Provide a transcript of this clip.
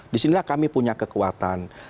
di sinilah kami punya kekuatan